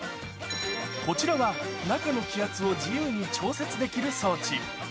こちらは中の気圧を自由に調節できる装置。